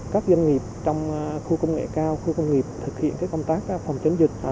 các doanh nghiệp trong khu công nghệ cao khu công nghiệp thực hiện công tác phòng chống dịch